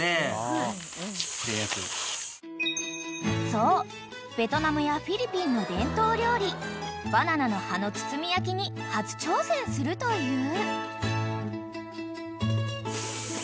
［そうベトナムやフィリピンの伝統料理バナナの葉の包み焼きに初挑戦するという］